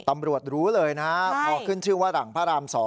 รู้เลยนะพอขึ้นชื่อว่าหลังพระราม๒